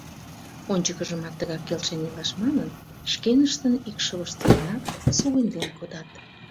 Ончыкыжымат тыгак келшен илаш манын, шкеныштын икшывыштланат сугыньлен кодат.